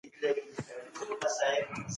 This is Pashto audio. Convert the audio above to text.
تاسي چي سئ بیا به مېله وکړو.